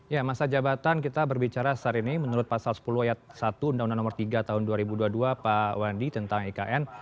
ya masa jabatan kita berbicara saat ini menurut pasal sepuluh ayat satu undang undang nomor tiga tahun dua ribu dua puluh dua pak wandi tentang ikn